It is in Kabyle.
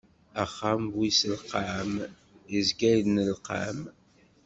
Axxam bu iselqam, izga innelqam.